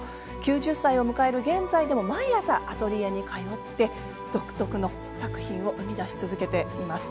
９０歳を迎える現在でも毎朝アトリエに通って独特の作品を生み出し続けています。